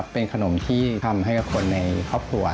เป็นขนมที่ทำให้กับคนในครอบครัว